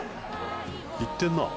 いってんな。